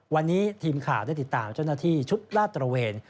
วันนี้ทีมข่าวได้ติดตามเจ้าหน้าที่ชุดลาดตระเวน